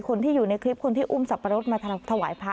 คนที่อยู่ในคลิปคนที่อุ้มสับปะรดมาถวายพระ